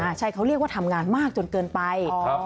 ใช่เขาเรียกว่าทำงานมากจนเกินไป